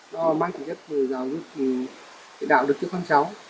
nó mang tính nhất là giáo dục đạo đức cho con cháu